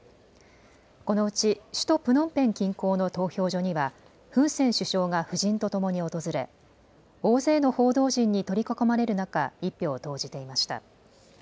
このうち首都プノンペン近郊の投票所にはフン・セン首相が夫人とともに訪れ大勢の報道陣に取り囲まれる中、１票を投じていました。